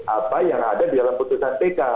apa yang ada di dalam keputusan tk